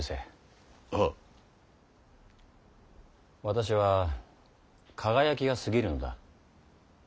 私は輝きがすぎるのだ。